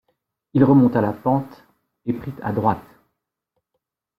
Il remonta la pente et prit à droite.